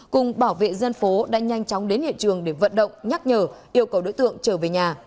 cùng bảo vệ dân phố đã nhanh chóng đến hiện trường để vận động nhắc nhở yêu cầu đối tượng trở về nhà